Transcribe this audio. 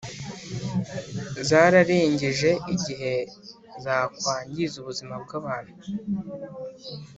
zararengeje igihe zakwangiza ubuzima bw’abantu.